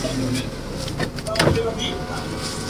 Lindbergh tomó su arma y fue por toda la casa en busca de intrusos.